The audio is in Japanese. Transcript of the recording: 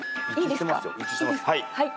はい。